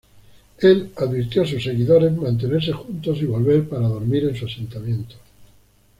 Él advirtió a sus seguidores mantenerse juntos y volver para dormir en su asentamiento.